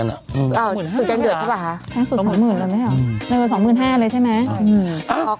แรงสุด๒หมื่นหมื่นบาทเลยไหมเร็วกว่า๒หมื่น๕เลยใช่มั้ย